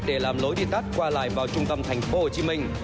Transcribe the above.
để làm lối đi tắt qua lại vào trung tâm thành phố hồ chí minh